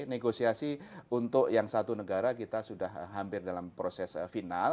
negosiasi untuk yang satu negara kita sudah hampir dalam proses final